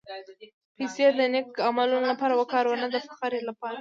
پېسې د نېک عملونو لپاره وکاروه، نه د فخر لپاره.